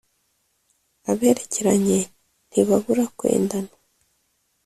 Aberekeranye ntibabura kwendana.